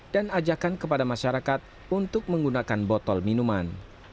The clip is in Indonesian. dan ajakkan kepada masyarakat untuk menggunakan botol minuman